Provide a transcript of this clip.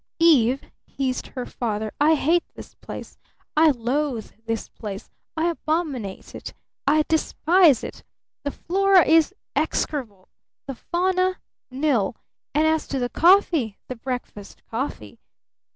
"Eve!" hissed her father. "I hate this place! I loathe this place! I abominate it! I despise it! The flora is execrable! The fauna? Nil! And as to the coffee the breakfast coffee?